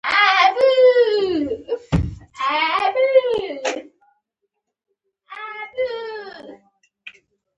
دوی د ترافیکو په برخه کې کار کوي.